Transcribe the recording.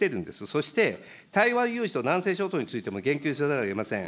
そして、台湾有事と南西諸島についても言及せざるをえません。